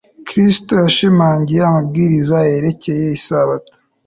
Kristo yashimangiye amabwiriza yerekeye Isabato